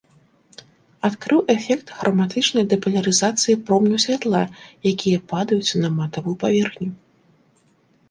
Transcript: Адкрыў эфект храматычнай дэпалярызацыі промняў святла, якія падаюць на матавую паверхню.